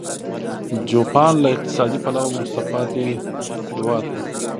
جاپان له اقتصادي پلوه وروسته پاتې هېواد و.